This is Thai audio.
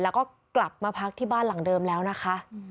แล้วก็กลับมาพักที่บ้านหลังเดิมแล้วนะคะ